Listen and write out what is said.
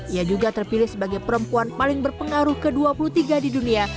ia juga terpilih sebagai perempuan paling berpengaruh ke dua puluh tiga di dunia